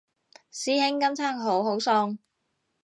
師兄今餐好好餸